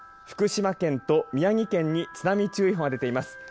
福島県と宮城県に津波注意報が出ています。